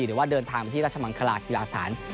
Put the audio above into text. หรือว่าเดินทางไปที่ราชมังคลากีฬาสถาน